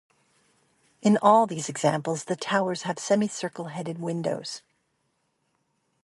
In all these examples the towers have semicircular-headed windows.